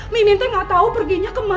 miminte kan lagi kalut pikirannya apa